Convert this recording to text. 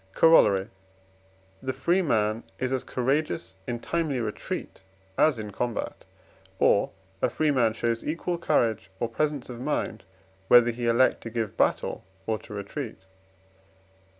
Corollary. The free man is as courageous in timely retreat as in combat; or, a free man shows equal courage or presence of mind, whether he elect to give battle or to retreat.